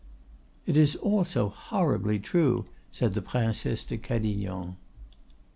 "It is all so horribly true," said the Princesse de Cadignan.